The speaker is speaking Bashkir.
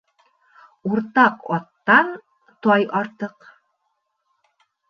Уртаҡ аттан тай артыҡ